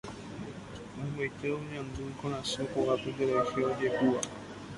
Maymaite oñandu ikorasõ kuápe nderehe ojehúva.